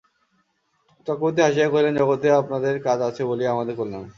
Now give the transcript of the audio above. চক্রবর্তী হাসিয়া কহিলেন, জগতে আপনাদের কাজ আছে বলিয়াই আমাদের কল্যাণ।